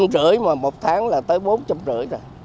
một trăm linh rưỡi mà một tháng là tới bốn trăm linh rưỡi rồi